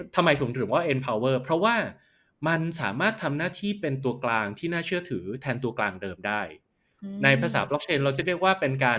ทำไมถึงถือว่าเอ็นพาวเวอร์เพราะว่ามันสามารถทำหน้าที่เป็นตัวกลางที่น่าเชื่อถือแทนตัวกลางเดิมได้ในภาษาบล็อกเชนเราจะเรียกว่าเป็นการ